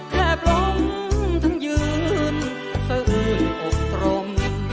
แคบล้มทั้งยืนเสื้ออื่นอบตรม